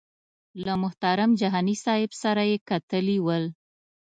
له محترم جهاني صاحب سره یې کتلي ول.